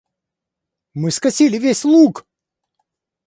Мы скосили весь луг.